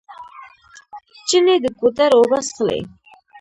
چڼې د ګودر اوبه څښلې.